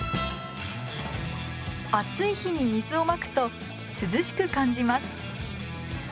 暑い日に水をまくと涼しく感じます